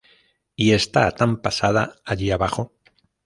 Y es tan, tan pasada, allí abajo".